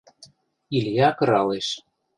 Илья кыралеш.